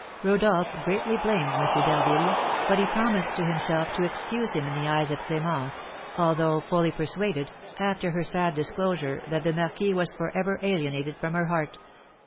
Rodolph greatly blamed M. d'Harville, but he promised to himself to excuse him in the eyes of Clémence, although fully persuaded, after her sad disclosure, that the marquis was for ever alienated from her heart.